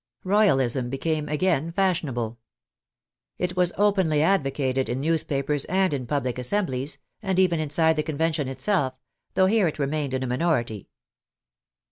Royalism became again fashionable. It was openly advocated in newspapers and in public assemblies, and even inside the Convention itself, though here it remained in a minority.